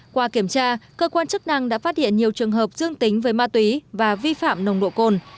qua kiểm tra cơ quan chức năng đã phát hiện nhiều trường hợp dương tính với ma túy và vi phạm nồng độ cồn